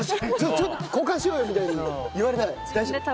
ちょっと交換しようよみたいに言われない？